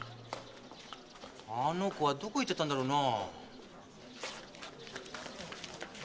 あの子はどこ行っちゃったんだろうな？